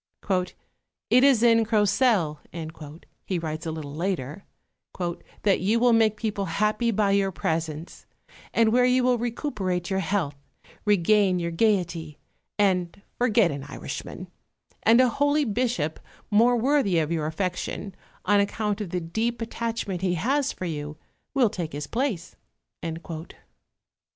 "It is in Crocelle," he writes a little later, "that you will make people happy by your presence, and where you will recuperate your health, regain your gaiety, and forget an Irishman; and a holy Bishop, more worthy of your affection, on account of the deep attachment he has for you, will take his place."